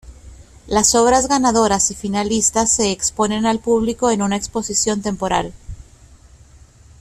Las obras ganadoras y finalistas se exponen al público en una exposición temporal.